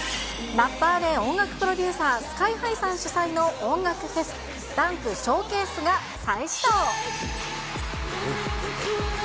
ラッパーで音楽プロデューサー、ＳＫＹーＨＩさん主催の音楽フェス、ダンクショーケースが再始動。